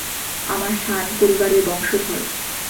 আমরা শান পরিবারের বংশধর।